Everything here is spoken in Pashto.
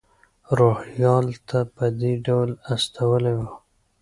روهیال ته په دې ډول استولی و.